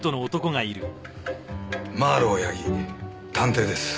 マーロウ矢木探偵です。